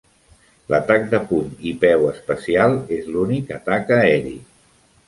L'atac de puny i peu especial és l'únic atac aeri.